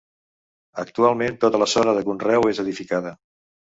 Actualment tota la zona de conreu és edificada.